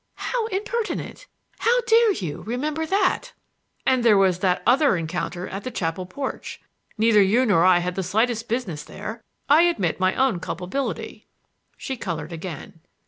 "How impertinent! How dare you—remember that?" "And there was that other encounter at the chapel porch. Neither you nor I had the slightest business there. I admit my own culpability." She colored again.